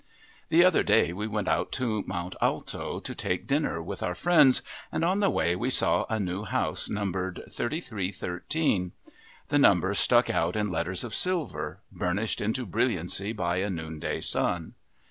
The other day we went out to Mont Alto to take dinner with our friends, and on the way we saw a new house numbered "3313." The number stuck out in letters of silver, burnished into brilliancy by a noonday sun.